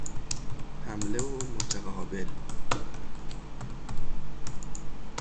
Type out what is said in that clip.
حملهُ متقابل